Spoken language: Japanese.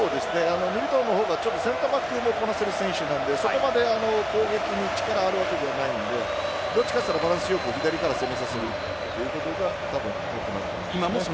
ミリトンの方がセンターバックもこなせる選手なんでそこまで攻撃に力あるわけではないのでどちらかといったらバランスよく左から攻めさせていくということになると思います。